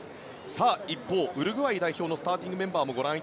さあ一方、ウルグアイ代表のスターティングメンバーです。